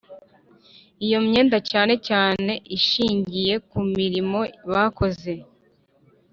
Iyo myenda cyane cyane ishingiye ku mirimo bakoze